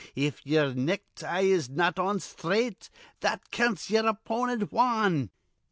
If ye'er necktie is not on sthraight, that counts ye'er opponent wan.